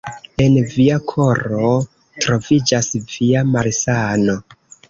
En via koro troviĝas via malsano.